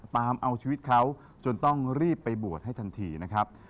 ตามเอาชีวิตเขาจนต้องรีบไปบวชให้ทันทีนะครับ